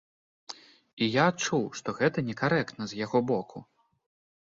І я адчуў, што гэта некарэктна з яго боку.